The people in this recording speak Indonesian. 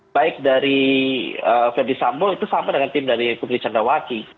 baik dari verdi sambo itu sama dengan tim dari putri candrawati